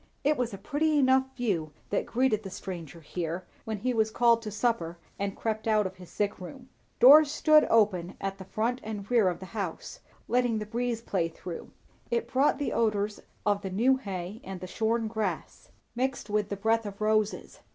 It was a pretty enough view that greeted the stranger here, when he was called to supper and crept out of his sick room. Doors stood open at front and rear of the house, letting the breeze play through. It brought the odours of the new hay and the shorn grass, mingled with the breath of roses.